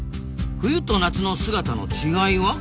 「冬と夏の姿の違いは？」。